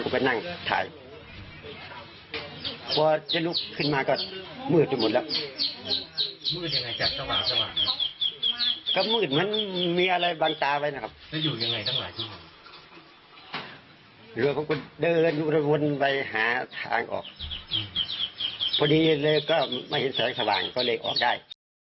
พอดีเลยก็ไม่เห็นแสงสว่างก็เลยออกได้